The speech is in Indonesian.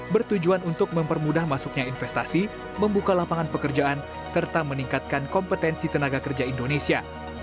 bertujuan untuk mempermudah masuknya investasi membuka lapangan pekerjaan serta meningkatkan kompetensi tenaga kerja indonesia